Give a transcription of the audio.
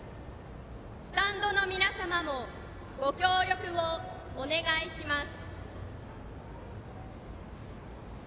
スタンドの皆様もご協力をお願いします。